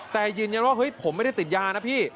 แต่ยืนยันว่าเฮ้ยผมไม่ได้ติดยานะพี่